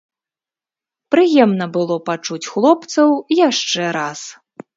Прыемна было пачуць хлопцаў яшчэ раз.